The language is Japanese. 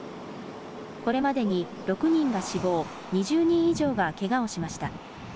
これまでに６人が死亡、２０人以上がけがをしました。